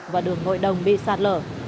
và đường ngội đồng bị sạt lở